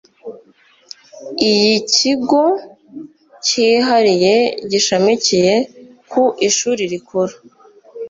iy ikigo cyihariye gishamikiye ku ishuri rikuru